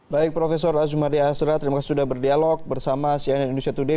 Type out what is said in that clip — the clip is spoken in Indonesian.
baik prof azumardi hasra terima kasih sudah berdialog bersama cnn indonesia today